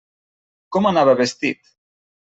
Com anava vestit?